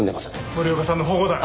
森岡さんの保護だ！